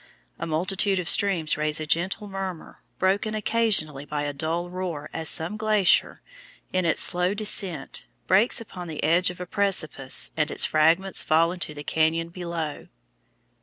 A multitude of streams raise a gentle murmur, broken occasionally by a dull roar as some glacier, in its slow descent, breaks upon the edge of a precipice and its fragments fall into the cañon below.